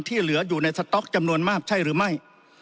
เหลืออยู่ในสต๊อกจำนวนมากใช่หรือไม่